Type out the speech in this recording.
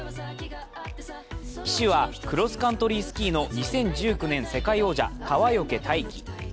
旗手はクロスカントリースキーの２０１９年世界王者、川除大輝。